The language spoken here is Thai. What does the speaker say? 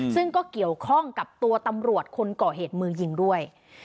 ซึ่งก็เกี่ยวข้องกับตัวตำรวจคนก่อเหตุมือยิงด้วย